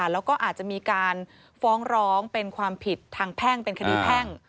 แล้วก็อาจจะมีการฟ้องร้องเป็นความผิดทางแพ่งเป็นคดีแพ่ง